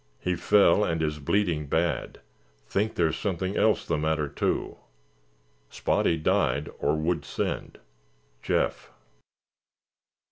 He fell and is bleeding bad. Think there's something else the matter, too. Spotty died or would send. Jeff."